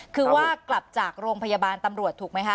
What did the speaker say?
คือว่ากลับจากโรงพยาบาลตำรวจถูกไหมคะ